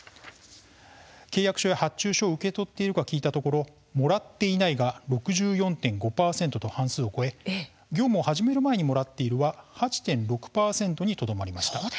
契約書や発注書を受け取っているか聞いたところもらっていないが６４．５％と半数を超え業務を始める前にもらっているは８．６％にとどまりました。